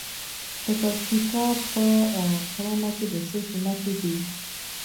د پکتیکا په ښرنه کې د څه شي نښې دي؟